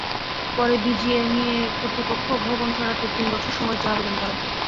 পরে বিজিএমইএ কর্তৃপক্ষ ভবন সরাতে তিন বছর সময় চেয়ে আবেদন করে।